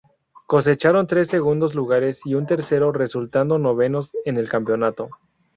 Cosecharon tres segundos lugares y un tercero, resultando novenos en el campeonato.